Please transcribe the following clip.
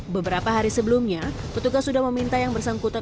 beberapa hari sebelumnya petugas sudah meminta yang bersangkutan